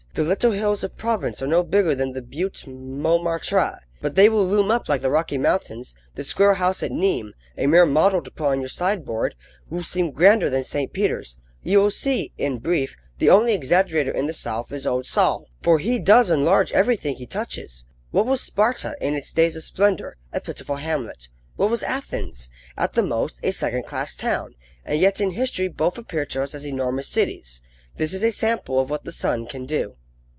The little hills of Provence are no bigger than the Butte Montmartre, but they will loom up like the Rocky Mountains; the Square House at Nimes a mere model to put on your sideboard will seem grander than St. Peter's. You will see in brief, the only exaggerator in the South is Old Sol, for he does enlarge everything he touches. What was Sparta in its days of splendour? a pitiful hamlet. What was Athens? at the most, a second class town; and yet in history both appear to us as enormous cities. This is a sample of what the sun can do.